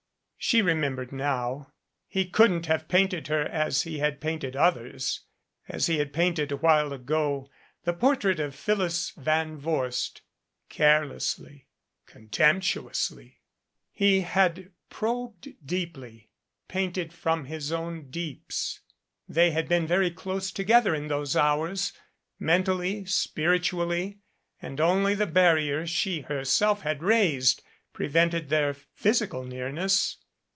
She remembered now he couldn't have painted her as he had painted others as he had painted a while ago the portrait of Phyllis Van Vorst carelessly, con temptuously. He had probed deeply painted from his own deeps. They had been very close together in those hours, mentally, spiritually, and only the barrier she her 289 MADCAP self had raised prevented their physical nearness.